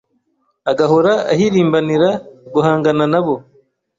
agahora ahirimbanira guhangana na bo